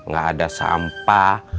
gak ada sampah